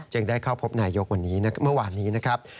ได้เข้าพบนายกวันนี้เมื่อวานนี้นะครับ